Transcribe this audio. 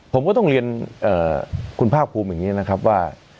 ผมก็ต้องเรียนคุณภาคภูมิอย่างนี้นะครับว่า